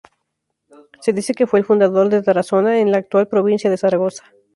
Se dice que fue el fundador de Tarazona, en la actual provincia de Zaragoza.